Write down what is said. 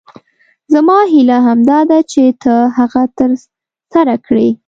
زما هیله همدا ده چې ته هغه تر سره کړې.